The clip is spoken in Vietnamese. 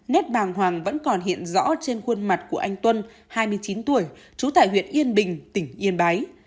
nét bàng hoàng vẫn còn hiện rõ trên khuôn mặt của anh tuân hai mươi chín tuổi trú tại huyện yên bình tỉnh yên bái